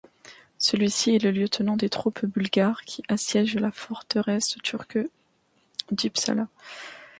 Celui-ci est le lieutenant des troupes bulgares qui assiègent la forteresse turque d'İpsala.